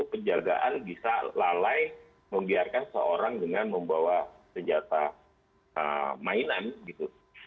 penjagaan bisa lalai membiarkan seorang dengan membawa senjata mainan gitu